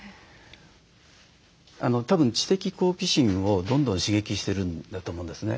たぶん知的好奇心をどんどん刺激してるんだと思うんですね。